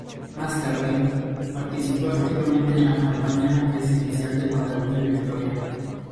Más tarde, participó activamente en la campaña presidencial de Guadalupe Victoria.